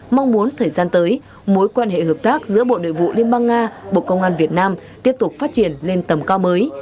mong muốn thời gian tới mối quan hệ hợp tác giữa bộ nội vụ liên bang nga bộ công an việt nam tiếp tục phát triển lên tầm cao mới